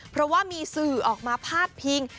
เพราะว่ามีสื่อออกมาพาดพิง